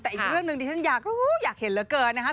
แต่อีกเรื่องนึงดิฉันอยากเห็นเหลือเกินนะครับ